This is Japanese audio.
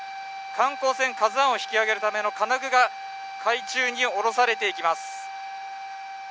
観光船「ＫＡＺＵⅠ」を引き揚げるための金具が海中に下ろされていきます。